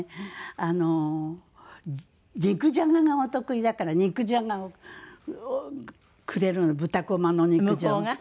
あの肉じゃががお得意だから肉じゃがをくれるの豚こまの肉じゃがを。